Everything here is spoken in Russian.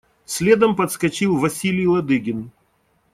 Следом подскочил Василий Ладыгин.